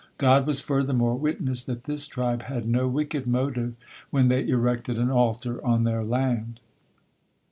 God was furthermore witness that this tribe had no wicked motive when they erected an altar on their land.